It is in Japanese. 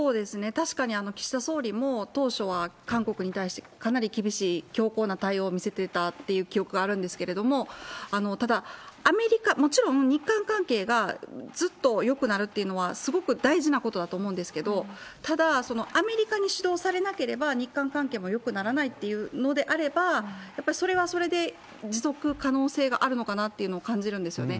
確かに岸田総理も、当初は韓国に対してかなり厳しい強硬な対応を見せてたっていう記憶があるんですけれども、ただ、アメリカ、もちろん日韓関係がずっとよくなるっていうのはすごく大事なことだと思うんですけれども、ただ、アメリカに主導されなければ日韓関係もよくならないっていうのであれば、やっぱりそれはそれで持続可能性があるのかなっていうのを感じるんですよね。